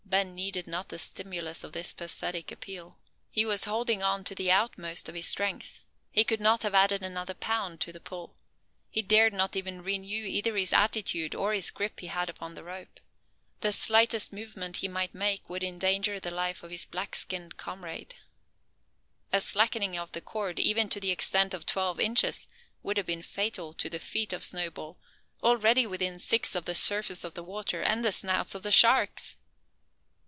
Ben needed not the stimulus of this pathetic appeal. He was holding on to the utmost of his strength. He could not have added another pound to the pull. He dared not even renew either his attitude, or the grip he had upon the rope. The slightest movement he might make would endanger the life of his black skinned comrade. A slackening of the cord, even to the extent of twelve inches, would have been fatal to the feet of Snowball already within six of the surface of the water and the snouts of the sharks!